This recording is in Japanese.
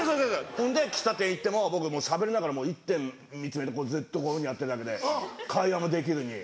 ほんで喫茶店行っても僕しゃべりながらもう一点見つめてずっとこういうふうにやってるだけで会話もできずに。